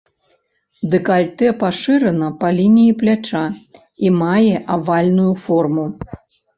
Дэкальтэ пашырана па лініі пляча і мае авальную форму.